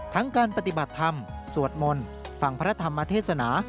การปฏิบัติธรรมสวดมนต์ฟังพระธรรมเทศนา